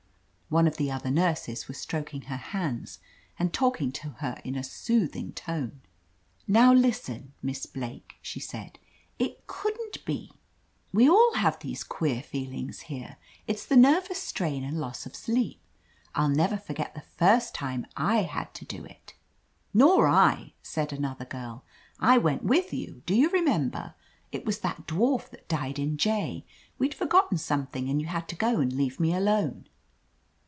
One of the other nurses was stroking her hands and talk ing to her in a soothing tone. "Now listen, Miss Blake,'' she said. "It couldn't be. We all have these queer feelings 5 THE AMAZING ADVENTURES here. It's the nervous strain and loss of sleep. Til never forget the first time / had to do it." "Nor I," said another girl, "I went with you. Do you remember? It was that dwarf ,that died in J. We'd forgotten something, and you had to go and leave me alone."